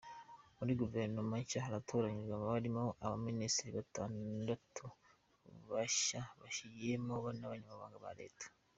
Muri Guverinoma nshya yatoranyijwe, harimo abaminisitiri batandatu bashya bayinjiyemo n’abanyamabanga ba Leta.